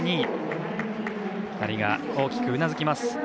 ２人が大きくうなずきます。